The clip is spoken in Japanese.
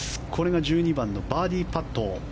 １２番のバーディーパット。